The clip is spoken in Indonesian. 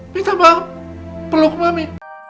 minta maaf peluk mami